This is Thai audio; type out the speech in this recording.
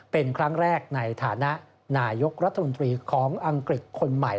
เป็นครั้งแรกในฐานะนายกรัฐมนตรีของอังกฤษคนใหม่